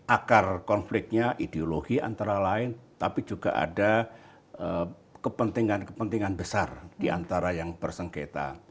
akar konfliknya ideologi antara lain tapi juga ada kepentingan kepentingan besar diantara yang bersengketa